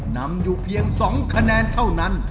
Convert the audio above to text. นำอยู่เพียง๒คะแนนเท่านั้น